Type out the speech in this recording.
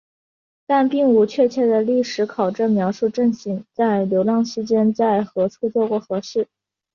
但并无确切的历史考证描述正信在流浪期间在何处做过何事。